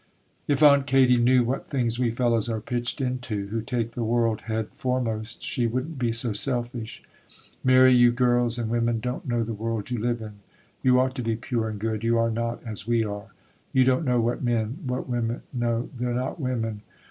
'If Aunt Katy knew what things we fellows are pitched into, who take the world head foremost, she wouldn't be so selfish. Mary, you girls and women don't know the world you live in; you ought to be pure and good; you are not as we are. You don't know what men, what women,—no, they're not women!